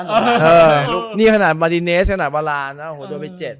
เออนี่ขนาดมารติเนสขนาดวาลานด์โอ้โหโดยไปเจ็ด